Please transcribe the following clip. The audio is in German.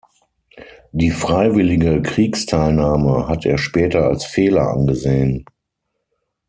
Die freiwillige Kriegsteilnahme hat er später als Fehler angesehen.